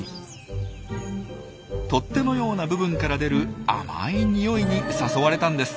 取っ手のような部分から出る甘い匂いに誘われたんです。